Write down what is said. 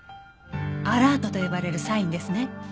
アラートと呼ばれるサインですね。